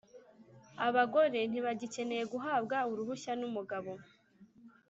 abagore ntibagicyeneye guhabwa uruhushya n’umugabo